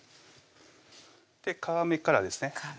皮目からですね